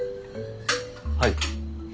はい。